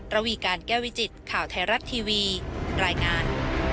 ระวีการแก้วิจิตข่าวไทยรัฐทีวีรายงาน